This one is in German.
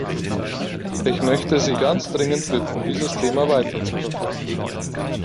Ich möchte Sie ganz dringend bitten, dieses Thema weiter zu verfolgen.